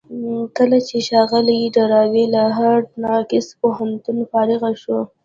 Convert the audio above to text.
کله چې ښاغلی ډاربي له هارډ ناکس پوهنتونه فارغ شو.